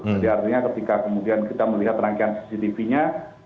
jadi artinya ketika kemudian kita melihat rangkaian cctv nya